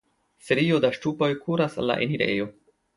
Serio da ŝtupoj kuras al la enirejo.